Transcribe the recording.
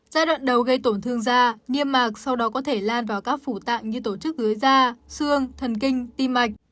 giai đoạn đầu gây tổn thương da niêm mạc sau đó có thể lan vào các phủ tạng như tổ chức dưới da xương thần kinh tim mạch